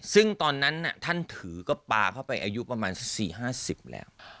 ซึ่งตอนนั้นท่านถือก็ปลาเข้าไปอายุประมาณสัก๔๕๐แล้ว